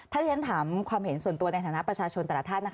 ถ้าที่ฉันถามความเห็นส่วนตัวในฐานะประชาชนแต่ละท่าน